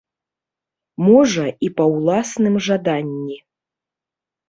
Можа, і па ўласным жаданні.